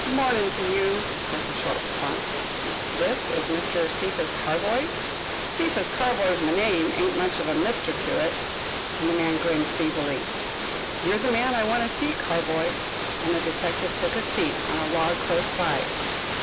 "Mornin' to you," was the short response. "This is Mr. Cephas Carboy?" "Cephas Carboy's my name ain't much of a mister to it," and the man grinned feebly. "You're the man I want to see, Carboy," and the detective took a seat on a log close by.